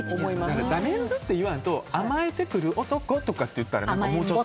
ダメンズって言わんと甘えてくる男って言ったりすれば。